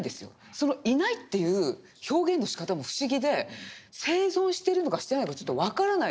そのいないっていう表現のしかたも不思議で生存してるのかしてないのかちょっと分からない。